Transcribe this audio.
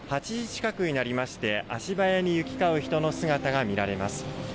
８時近くになりまして、足早に行き交う人の姿が見られます。